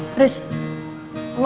putri dimana ya